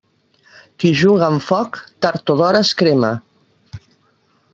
Qui juga amb foc, tard o d'hora es crema.